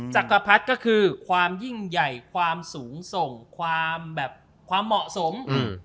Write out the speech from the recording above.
จักรพรรดิก็คือความยิ่งใหญ่ความสูงส่งความแบบความเหมาะสม